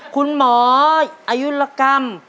คุณหมออายุรกรรม